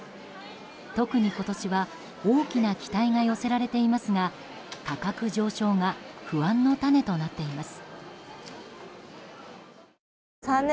特に今年は大きな期待が寄せられていますが価格上昇が不安の種となっています。